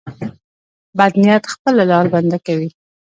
بد نیت خپله لار بنده کوي.